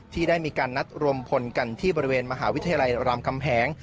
ที่ได้มีการนัดรวมพลกันที่บริเวณมหาวิทยาลัยรามคำแหง